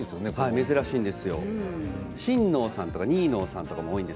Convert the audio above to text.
珍しいんです。